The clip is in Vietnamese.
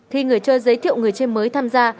khi người chơi giới thiệu người chơi mới tham gia